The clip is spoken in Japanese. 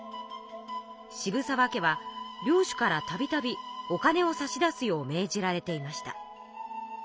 渋沢家は領主からたびたびお金を差し出すよう命じられていました。